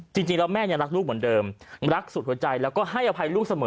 จริงแล้วแม่ยังรักลูกเหมือนเดิมรักสุดหัวใจแล้วก็ให้อภัยลูกเสมอ